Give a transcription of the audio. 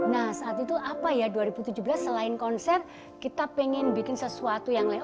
nah saat itu apa ya dua ribu tujuh belas selain konser kita pengen bikin sesuatu yang lain